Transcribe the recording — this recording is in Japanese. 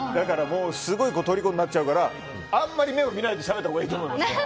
すごいとりこになっちゃうからあまり目を見ないでしゃべったほうがいいと思います。